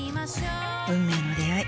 運命の出会い。